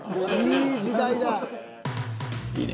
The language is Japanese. いい時代だ。